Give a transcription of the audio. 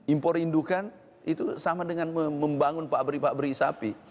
impor indukan itu sama dengan membangun pabrik pabrik sapi